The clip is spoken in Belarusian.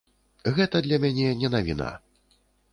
Гэта для мяне не навіна.